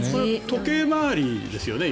時計回りですよね。